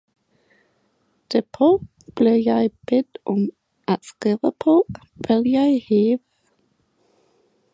Derpå blev jeg bedt om at skrive på, hvad jeg havde.